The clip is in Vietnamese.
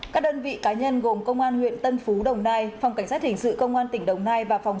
các đơn vị cá nhân gồm công an huyện tân phú đồng nai phòng cảnh sát hình sự công an tỉnh đồng nai và phòng